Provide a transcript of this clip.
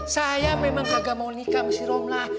saya memang kagak mau nikah sama si romlah